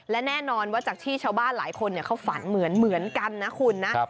และแน่นอนว่าจากที่ชาวบ้านหลายคนเขาฝันเหมือนกันนะคุณนะ